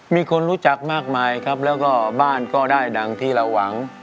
มีคนรู้จักมากมายครับแล้วก็บ้านก็ได้ดังที่เราหวัง